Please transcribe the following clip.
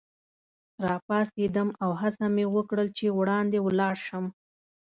راپاڅېدم او هڅه مې وکړل چي وړاندي ولاړ شم.